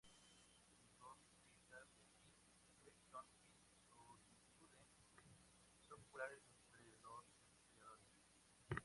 Sus dos pistas de esquí, Brighton y Solitude, son populares entre los esquiadores.